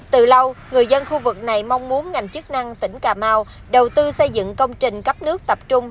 từ lâu người dân khu vực này mong muốn ngành chức năng tỉnh cà mau đầu tư xây dựng công trình cấp nước tập trung